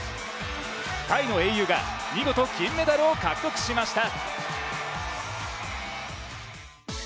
タイの英雄が見事金メダルを獲得しました。